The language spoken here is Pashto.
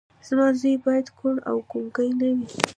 زما زوی بايد کوڼ او ګونګی نه وي.